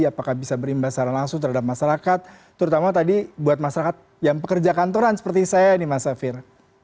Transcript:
apakah bisa berimbas secara langsung terhadap masyarakat terutama tadi buat masyarakat yang pekerja kantoran seperti saya nih mas safir